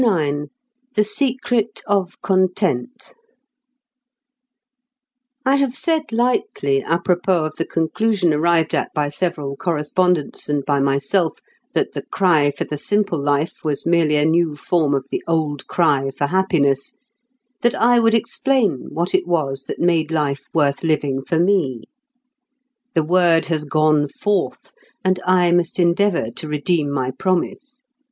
IX THE SECRET OF CONTENT I have said lightly à propos of the conclusion arrived at by several correspondents and by myself that the cry for the simple life was merely a new form of the old cry for happiness, that I would explain what it was that made life worth living for me. The word has gone forth, and I must endeavour to redeem my promise.